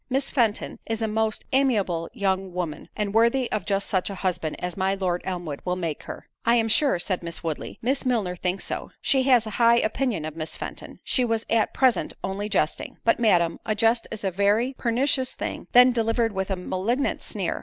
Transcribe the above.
Miss Fenton is a most amiable young woman, and worthy of just such a husband as my Lord Elmwood will make her." "I am sure," said Miss Woodley, "Miss Milner thinks so—she has a high opinion of Miss Fenton—she was at present only jesting." "But, Madam, a jest is a very pernicious thing, when delivered with a malignant sneer.